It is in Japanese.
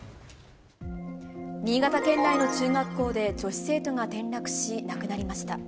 新潟県内の中学校で女子生徒が転落し、亡くなりました。